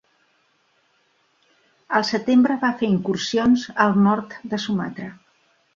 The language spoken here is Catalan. El setembre va fer incursions al nord de Sumatra.